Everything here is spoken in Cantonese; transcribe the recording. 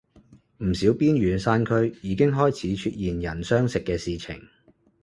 唔少邊遠山區已經開始出現人相食嘅事情